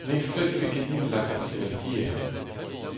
Ne fellfe ket din lakaat sevel tiez.